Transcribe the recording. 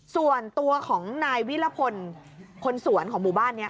ส่วนตัวของนายวิรพลคนสวนของหมู่บ้านนี้